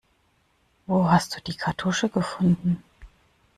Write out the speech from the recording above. Wo hast du die Kartusche gefunden?